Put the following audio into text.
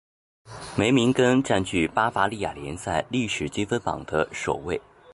梅明根占据巴伐利亚联赛历史积分榜的首位。